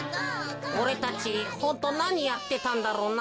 おれたちホントなにやってたんだろうな。